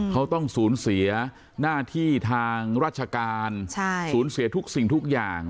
เขาต้องสูญเสียหน้าที่ทางราชการสูญเสียทุกสิ่งทุกอย่าง